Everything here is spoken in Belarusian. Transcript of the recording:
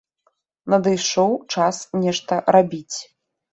Надышоў час нешта рабіць.